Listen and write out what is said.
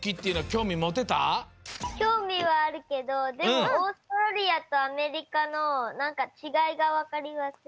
きょうみはあるけどでもオーストラリアとアメリカのなんかちがいがわかりません。